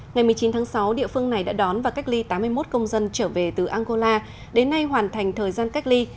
ngày một mươi chín tháng sáu địa phương này đã đón và cách ly tám mươi một công dân trở về từ angola đến nay hoàn thành thời gian cách ly